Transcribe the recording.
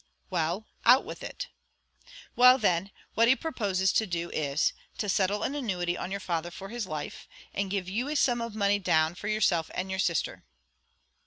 "Well, out with it." "Well then; what he proposes to do is, to settle an annuity on your father for his life; and give you a sum of money down for yourself and your sister."